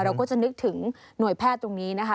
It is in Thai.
เราก็จะนึกถึงหน่วยแพทย์ตรงนี้นะคะ